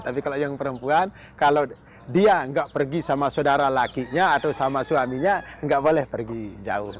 tapi kalau yang perempuan kalau dia nggak pergi sama saudara lakinya atau sama suaminya nggak boleh pergi jauh